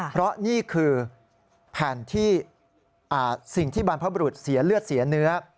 เพราะนี่คือแผ่นที่สิ่งที่บรรพบรุษเสียเลือดเสียเนื้อ